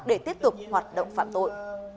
để tiếp tục hoạt động phạm tội